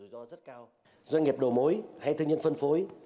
doanh nghiệp đồ mối hay thương nhân phân phối